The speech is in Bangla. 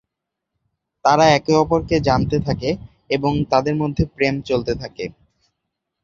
তারা একে অপরকে জানতে থাকে এবং তাদের মধ্যে প্রেম চলতে থাকে।